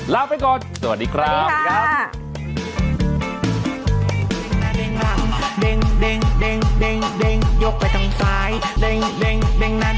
ลาไปก่อนสวัสดีครับ